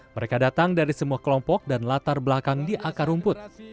mereka datang dari semua kelompok dan latar belakang di akar rumput